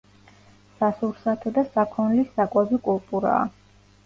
სასურსათო და საქონლის საკვები კულტურაა.